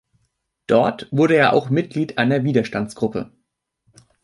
Dort wurde er auch Mitglied einer Widerstandsgruppe.